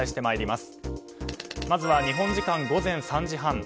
まずは日本時間午前３時半。